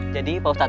jadi pak ustadz